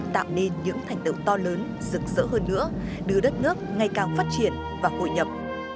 tạo nên những thành tựu to lớn rực rỡ hơn nữa đưa đất nước ngày càng phát triển và hội nhập